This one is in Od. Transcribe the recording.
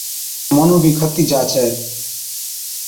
جڪو مُنُون بِي کتِي جا ڇَي۔